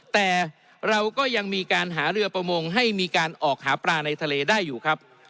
แต่เราก็ยังมีการหาเรือประมงให้มีการออกหาปลาในทะเลได้อยู่ครับ